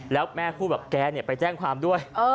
แล้วแม่พูดแบบแกเนี่ยไปแจ้งความด้วย